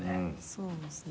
そうですね。